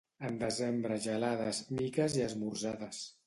En desembre gelades, miques i esmorzades.